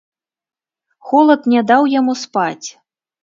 Холад не даў яму спаць.